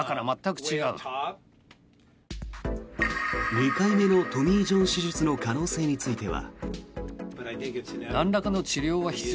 ２回目のトミー・ジョン手術の可能性については。